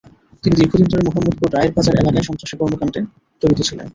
তিনি দীর্ঘদিন ধরে মোহাম্মদপুর রায়ের বাজার এলাকায় সন্ত্রাসী কর্মকাণ্ডে জড়িত ছিলেন।